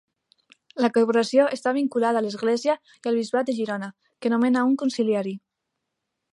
La corporació està vinculada a l'Església i al Bisbat de Girona, que nomena un consiliari.